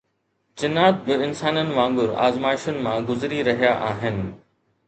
جنات به انسانن وانگر آزمائشن مان گذري رهيا آهن